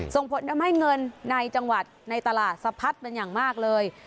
ส่งผลทำให้เงินในจังหวัดในตลาดสะพัดเป็นอย่างมากเลย